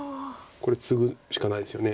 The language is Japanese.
これツグしかないですよね。